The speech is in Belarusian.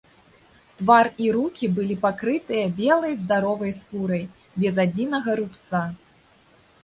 Твар і рукі былі пакрытыя белай здаровай скурай, без адзінага рубца.